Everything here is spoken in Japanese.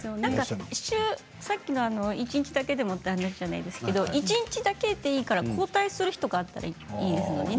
さっきの一日だけでもという話じゃないですけど一日だけでいいから交代する日があったらいいですよね。